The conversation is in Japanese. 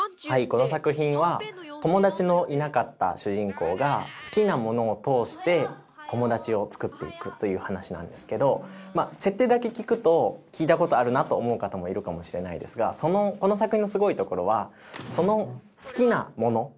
この作品は友達のいなかった主人公が好きなものを通して友達をつくっていくという話なんですけど設定だけ聞くと聞いたことあるなと思う方もいるかもしれないですがこの作品のすごいところはその好きなもの